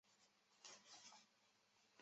节目所涉及的并不仅限于军事。